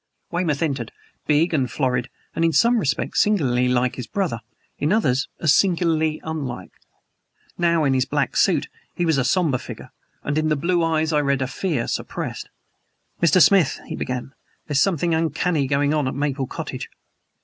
Weymouth entered, big and florid, and in some respects singularly like his brother, in others as singularly unlike. Now, in his black suit, he was a somber figure; and in the blue eyes I read a fear suppressed. "Mr. Smith," he began, "there's something uncanny going on at Maple Cottage."